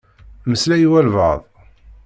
Meslay i walebɛaḍ.